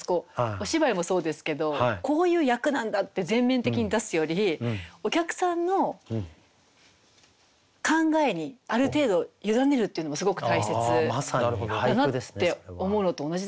お芝居もそうですけどこういう役なんだって全面的に出すよりお客さんの考えにある程度委ねるっていうのもすごく大切だなって思うのと同じだなと思いました。